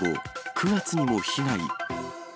９月にも被害。